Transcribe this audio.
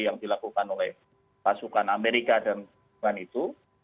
yang dilakukan oleh pasukan amerika dan lain lain itu